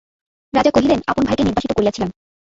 রাজা কহিলেন, আপন ভাইকে নির্বাসিত করিয়াছিলাম।